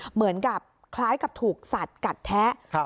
เหมือนกับคล้ายกับถูกสัตว์กัดแทะ